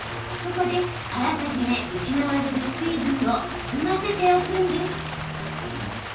そこであらかじめ失われる水分を含ませておくんです。